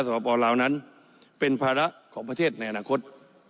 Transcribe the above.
สปลาวนั้นเป็นภาระของประเทศในอนาคต